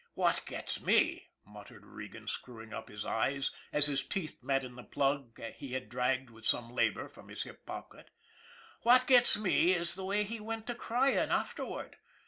'* What gets me," muttered Regan screwing up his eyes, as his teeth met in the plug he had dragged with some labor from his hip pocket, " what gets me is the way he went to crying afterward.